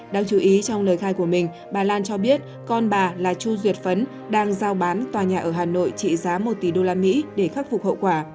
đáng chú ý trong lời khai của mình bà lan cho biết con bà là chu duyệt phấn đang giao bán tòa nhà ở hà nội trị giá một tỷ usd để khắc phục hậu quả